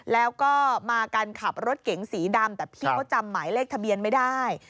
แล้วก็มากันขับรถเก๋งสีดำแต่พี่เขาจำหมายเลขทะเบียนไม่ได้